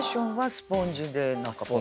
スポンジで。